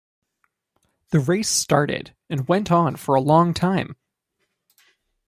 The race started, and went on for a long time.